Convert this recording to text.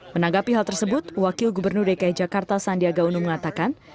menanggapi hal tersebut wakil gubernur dki jakarta sandiaga uno mengatakan